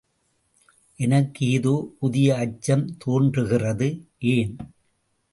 எனக்கு ஏதோ புதிய அச்சம் தோன்றுகிறது ஏன்?